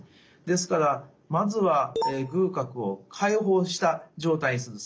ですからまずは隅角を開放した状態にする。